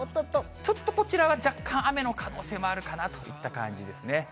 ちょっとこちらは若干雨の可能性もあるかなといった感じですね。